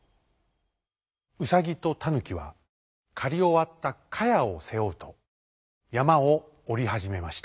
ウサギとタヌキはかりおわったかやをせおうとやまをおりはじめました。